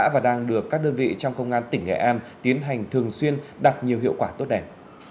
và đang được các đơn vị trong công an tỉnh nghệ an tiến hành thường xuyên đạt nhiều hiệu quả tốt đẹp